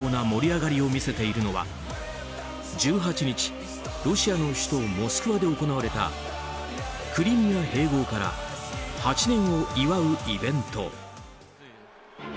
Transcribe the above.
まるでライブ会場のような盛り上がりを見せているのは１８日ロシアの首都モスクワで行われたクリミア併合から８年を祝うイベント。